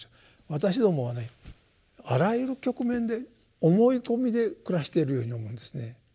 私どもはねあらゆる局面で思い込みで暮らしているように思うんですね。